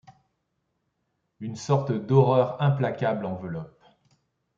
Une sorte d’horreur implacable enveloppe